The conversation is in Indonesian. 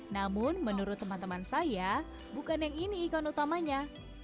namun menurut teman teman saya bukan yang ini ikon utamanya